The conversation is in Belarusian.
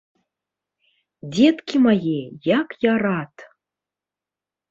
Дзеткі мае, як я рад!